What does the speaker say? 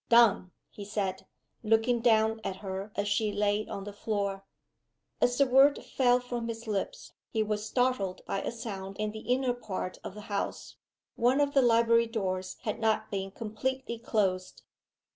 "Done!" he said, looking down at her as she lay on the floor. As the word fell from his lips he was startled by a sound in the inner part of the house. One of the library doors had not been completely closed.